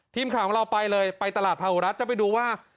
ทีมข่าวของเราไปเลยไปตลาดพาหุรัฐจะไปดูว่า